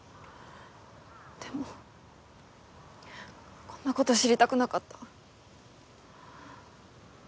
でもこんな事知りたくなかった。